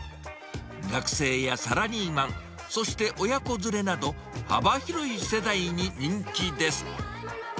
学生やサラリーマン、そして親子連れなど、幅広い世代に人気です。